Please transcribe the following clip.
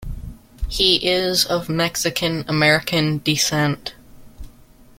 He is of Mexican-American descent.